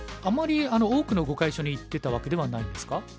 あまり多くの碁会所に行ってたわけではないんですか？